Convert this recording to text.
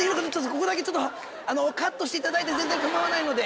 ここだけカットしていただいて全然構わないので。